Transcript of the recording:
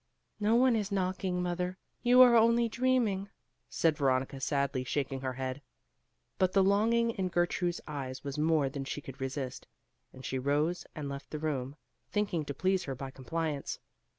"No one is knocking, mother; you are only dreaming," said Veronica sadly shaking her head; but the longing in Gertrude's eyes was more than she could resist, and she rose and left the room, thinking to please her by compliance.